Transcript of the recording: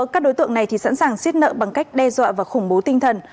các đối tượng này sẵn sàng xiết nợ bằng cách đe dọa và khủng bố tinh thần